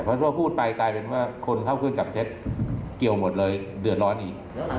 เพราะว่าพูดไปกลายเป็นว่าคนเข้าเครื่องจับเท็จเกี่ยวหมดเลยเดือดร้อนอีก